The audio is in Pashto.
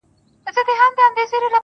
چي ستا به اوس زه هسي ياد هم نه يم.